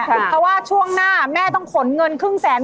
เพราะว่าช่วงหน้าแม่ต้องขนเงินครึ่งแสน